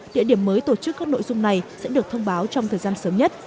địa điểm mới tổ chức các nội dung này sẽ được thông báo trong thời gian sớm nhất